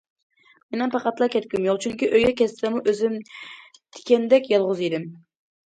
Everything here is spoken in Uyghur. مېنىڭ پەقەتلا كەتكۈم يوق، چۈنكى ئۆيگە كەتسەممۇ ئۆزۈم تىكەندەك يالغۇز ئىدىم.